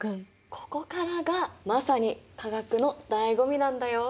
ここからがまさに化学のだいご味なんだよ。